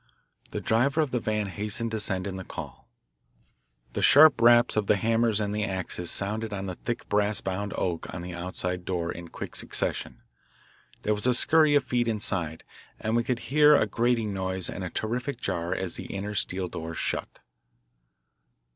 The driver of the van hastened to send in the call. The sharp raps of the hammers and the axes sounded on the thick brass bound oak of the outside door in quick succession. There was a scurry of feet inside, and we could hear a grating noise and a terrific jar as the inner, steel door shut.